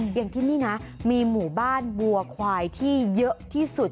อย่างที่นี่นะมีหมู่บ้านบัวควายที่เยอะที่สุด